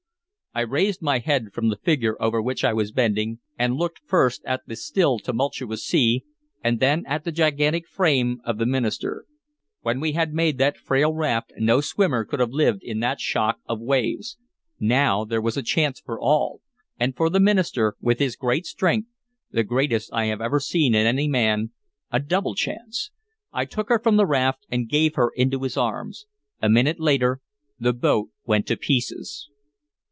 I raised my head from the figure over which I was bending, and looked first at the still tumultuous sea, and then at the gigantic frame of the minister. When we had made that frail raft no swimmer could have lived in that shock of waves; now there was a chance for all, and for the minister, with his great strength, the greatest I have ever seen in any man, a double chance. I took her from the raft and gave her into his arms. A minute later the boat went to pieces.